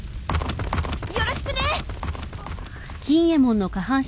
よろしくね！